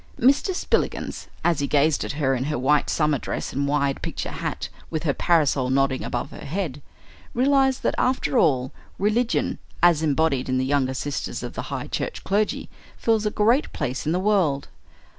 Mr. Spillikins, as he gazed at her in her white summer dress and wide picture hat, with her parasol nodding above her head, realized that after all, religion, as embodied in the younger sisters of the High Church clergy, fills a great place in the world.